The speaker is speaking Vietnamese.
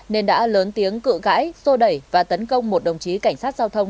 nên đã lớn tiếng cự gãi xô đẩy và tấn công một đồng chí cảnh sát giao thông